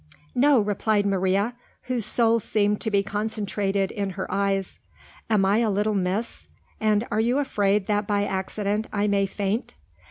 "No," replied Maria, whose soul seemed to be concentrated in her eyes. "Am I a little miss? and are you afraid that by accident I may faint?"